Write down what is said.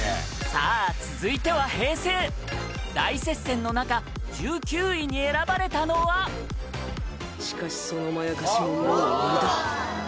さあ、続いては平成大接戦の中１９位に選ばれたのはしかし、そのまやかしももう終わりだ。